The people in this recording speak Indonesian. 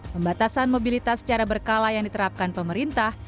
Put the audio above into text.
pembatasan mobilitas secara berkala yang diterapkan pemerintah